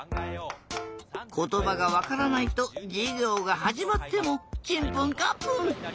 ことばがわからないとじゅぎょうがはじまってもチンプンカンプン。